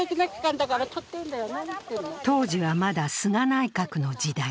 当時はまだ菅内閣の時代。